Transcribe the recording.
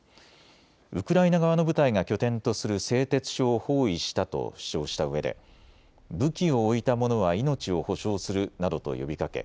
ウクライナ側の部隊が拠点とする製鉄所を包囲したと主張したうえで武器を置いた者は命を保証するなどと呼びかけ